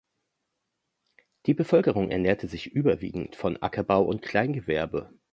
Die Bevölkerung ernährte sich überwiegend von Ackerbau und Kleingewerbe.